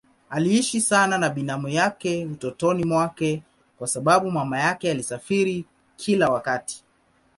Aliishi sana na binamu yake utotoni mwake kwa sababu mama yake alisafiri kila wakati.